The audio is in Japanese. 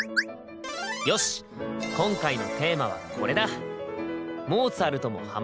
よし今回のテーマはこれだ。